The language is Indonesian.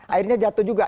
akhirnya jatuh juga